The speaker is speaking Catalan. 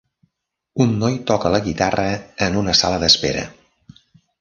Un noi toca la guitarra en una sala d'espera.